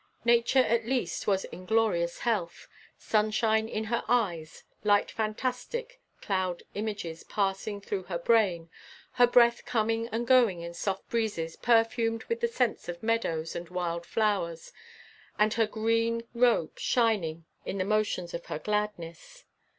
Nature at least was in glorious health sunshine in her eyes, light fantastic cloud images passing through her brain, her breath coming and going in soft breezes perfumed with the scents of meadows and wild flowers, and her green robe shining in the motions of her gladness.